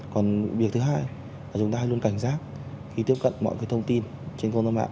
còn việc thứ hai là chúng ta luôn cảnh giác khi tiếp cận mọi cái thông tin trên khuôn mặt